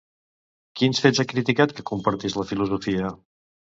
Quins fets ha criticat que compartís la filòsofa?